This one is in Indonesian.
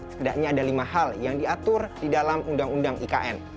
setidaknya ada lima hal yang diatur di dalam undang undang ikn